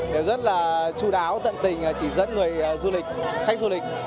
rất là chú đáo tận tình chỉ dẫn người du lịch khách du lịch